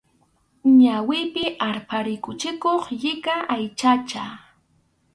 Ñawipi arpha rikuchikuq llika aychacha.